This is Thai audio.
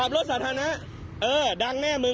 มายังไงคุณ